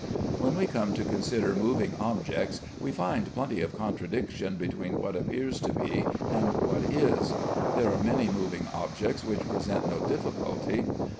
When we come to consider moving objects, we find plenty of contradiction between what appears to be and what is. There are many moving objects which present no difficulty.